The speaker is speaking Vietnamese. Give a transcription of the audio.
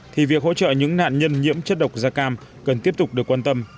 thì việc hỗ trợ những nạn nhân nhiễm chất độc da cam cần tiếp tục được quan tâm